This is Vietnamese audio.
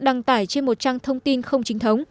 đăng tải trên một trang thông tin không chính thống